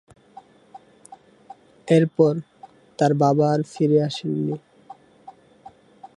এরপর, তার বাবা আর ফিরে আসেন নি।